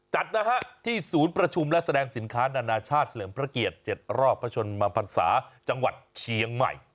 จัดนะฮะที่ศูนย์ประชุมและแสดงสินค้านานาชาติเฉลิมพระเกียรติ๗รอบพระชนมพันศาจังหวัดเชียงใหม่